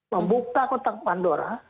membuka kotak pandora